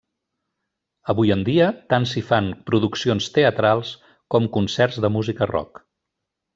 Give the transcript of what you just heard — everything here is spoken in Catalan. Avui en dia, tant s'hi fan produccions teatrals com concerts de música rock.